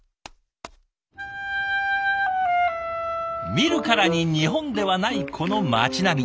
見るからに日本ではないこの街並み。